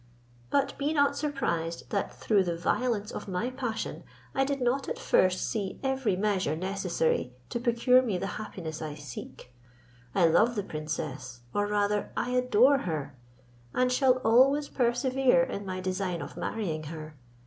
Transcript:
But be not surprised that through the violence of my passion I did not at first see every measure necessary to procure me the happiness I seek. I love the princess, or rather I adore her, and shall always persevere in my design of marrying her.